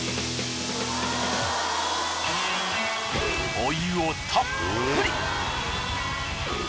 お湯をたっぷり。